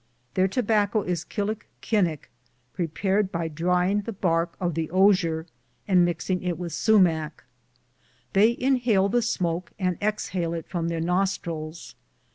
Their tobacco is killikinick, prepared by drying the bark of the ozier and mixing it with sumach. They inhale the smoke and exhale it from their nostrils.